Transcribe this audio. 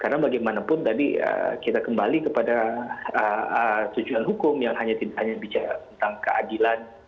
karena bagaimanapun tadi kita kembali kepada tujuan hukum yang hanya bicara tentang keadilan